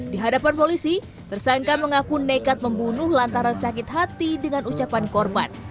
di hadapan polisi tersangka mengaku nekat membunuh lantaran sakit hati dengan ucapan korban